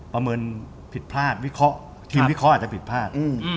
ประเมินผิดพลาดวิเคราะห์ทีมวิเคราะห์อาจจะผิดพลาด